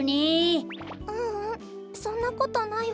ううんそんなことないわ。